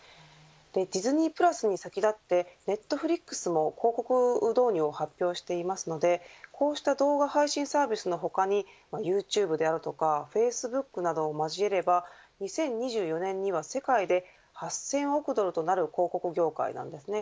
ディズニープラスに先立ってネットフリックスも広告導入を発表していますのでこうした動画配信サービスの他にユーチューブであるとかフェイスブックなどを交えれば２０２４年には世界で８０００億ドルとなる広告業界なんですね。